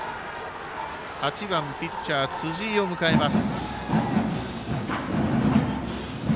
８番ピッチャー、辻井を迎えます。